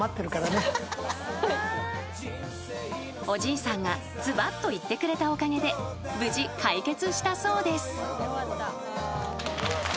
［おじいさんがずばっと言ってくれたおかげで無事解決したそうです］